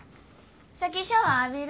先シャワー浴びる？